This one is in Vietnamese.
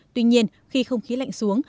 tuy nhiên khi không khí lạnh xuống